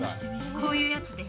こういうやつです。